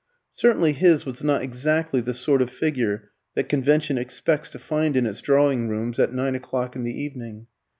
Certainly his was not exactly the sort of figure that convention expects to find in its drawing rooms at nine o'clock in the evening.